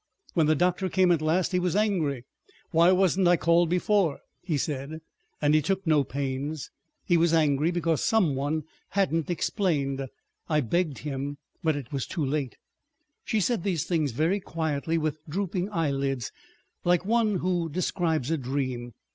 When the doctor came at last he was angry. 'Why wasn't I called before?' he said, and he took no pains. He was angry because some one hadn't explained. I begged him—but it was too late." She said these things very quietly with drooping eyelids, like one who describes a dream.